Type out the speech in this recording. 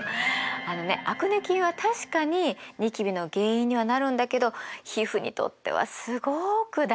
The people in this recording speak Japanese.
あのねアクネ菌は確かにニキビの原因にはなるんだけど皮膚にとってはすごく大事な働きをしてるのよ。